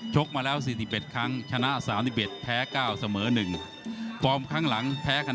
ชกมาแล้ว๔๑ครั้งชนะ๓๑แพ้๙เสมอหนึ่ง